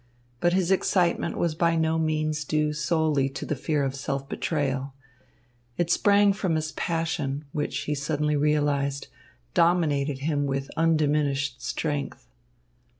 But his excitement was by no means due solely to the fear of self betrayal. It sprang from his passion, which, he suddenly realised, dominated him with undiminished strength.